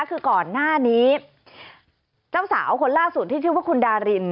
คือก่อนหน้านี้เจ้าสาวคนล่าสุดที่ชื่อว่าคุณดาริน